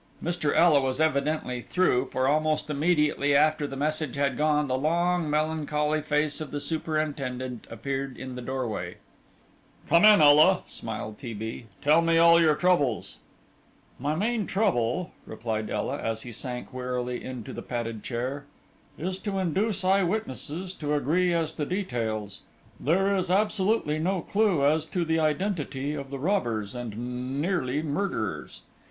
Mr. Ela was evidently "through," for almost immediately after the message had gone, the long, melancholy face of the superintendent appeared in the doorway. "Come in, Ela," smiled T. B.; "tell me all your troubles." "My main trouble," replied Ela, as he sank wearily into the padded chair, "is to induce eyewitnesses to agree as to details; there is absolutely no clue as to the identity of the robbers, and nearly murderers.